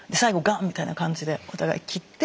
みたいな感じでお互い切って。